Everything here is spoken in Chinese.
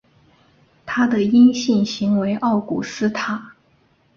它的阴性型为奥古斯塔。